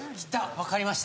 分かりました。